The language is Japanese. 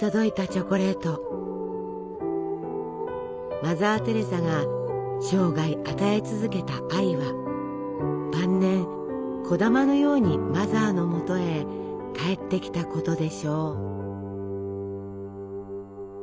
マザー・テレサが生涯与え続けた愛は晩年こだまのようにマザーのもとへ返ってきたことでしょう。